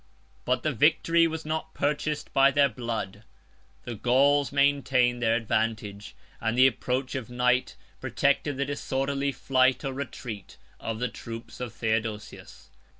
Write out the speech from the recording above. But the victory was not purchased by their blood; the Gauls maintained their advantage; and the approach of night protected the disorderly flight, or retreat, of the troops of Theodosius.